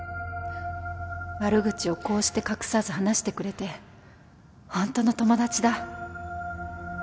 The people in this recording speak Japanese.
悪口をこうして隠さず話してくれて、本当の友達だ。